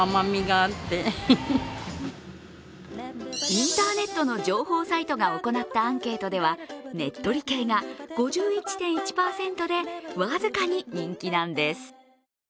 インターネットの情報サイトが行ったアンケートではねっとり系が５１．１％で僅かに人気なんです。